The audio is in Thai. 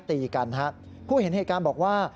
ตีกันฮะผู้เห็นเหตุการณ์บอกว่า